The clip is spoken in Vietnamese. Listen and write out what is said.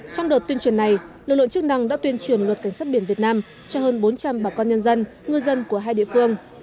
trong đợt tuyên truyền này lực lượng chức năng đã tuyên truyền luật cảnh sát biển việt nam cho hơn bốn trăm linh bà con nhân dân ngư dân của hai địa phương